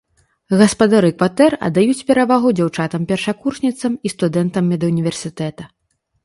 Гаспадары кватэр аддаюць перавагу дзяўчатам-першакурсніцам і студэнтам медуніверсітэта.